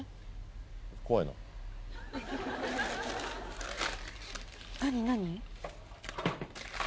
怖いな何何？